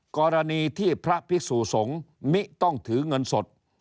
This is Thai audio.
กรณีที่พระพิสุสงฆ์มิต้องถือเงินสด